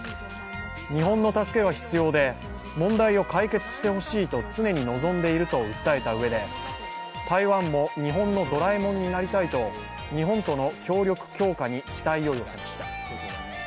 日本の助けが必要で問題を解決してほしいと常に望んでいると訴えたうえで台湾も日本のドラえもんになりたいと日本との協力強化に期待を寄せました。